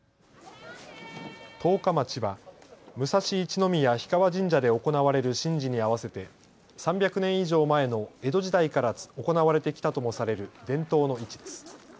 十日市は武蔵一宮氷川神社で行われる神事に合わせて３００年以上前の江戸時代から行われてきたともされる伝統の市です。